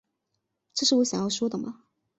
这是我想要说的吗